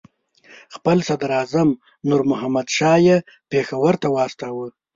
خپل صدراعظم نور محمد شاه یې پېښور ته واستاوه.